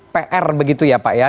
pr begitu ya pak ya